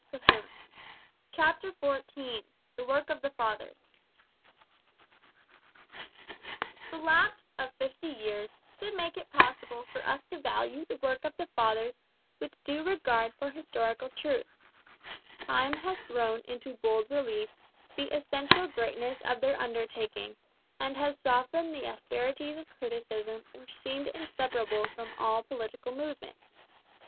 150. CHAPTER XIV THE WORK OF THE FATHERS The lapse of fifty years should make it possible for us to value the work of the Fathers with due regard for historical truth. Time has thrown into bold relief the essential greatness of their undertaking and has softened the asperities of criticism which seem inseparable from all political movements.